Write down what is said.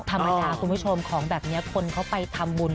ธรรมดาคุณผู้ชมของแบบนี้คนเขาไปทำบุญ